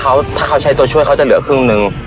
เขาถ้าเขาใช้ตัวช่วยเขาจะเหลือครึ่งหนึ่ง